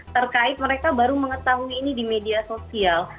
terkait mereka baru mengetahui ini di media sosial